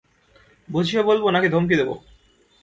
বুঝিয়ে বলবো নাকি ধমকি দেবো?